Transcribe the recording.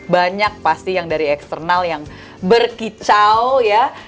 banyak pasti yang dari eksternal yang berkicau ya